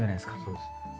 そうですね。